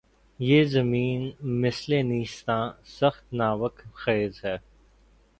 یہ زمیں مثلِ نیستاں‘ سخت ناوک خیز ہے